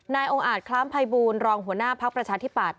นายองอาจคลามพัยบูลรองหัวหน้าพักประชาธิปัตย์